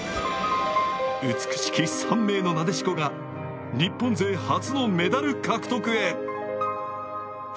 美しき３名のなでしこが日本勢初のメダル獲得へ。